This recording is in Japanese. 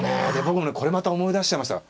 僕ねこれまた思い出しちゃいました。